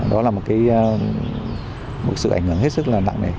đó là một sự ảnh hưởng rất là nặng nề